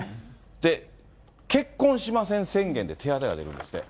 結婚しません宣言で手当が出るんですって。